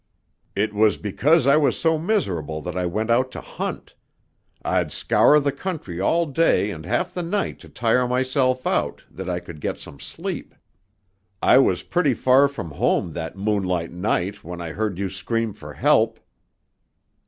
"It was because I was so miserable that I went out to hunt. I'd scour the country all day and half the night to tire myself out, that I could get some sleep. I was pretty far from home that moonlight night when I heard you scream for help...."